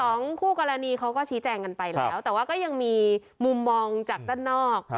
ของคู่กรณีเขาก็ชี้แจงกันไปแล้วแต่ว่าก็ยังมีมุมมองจากด้านนอก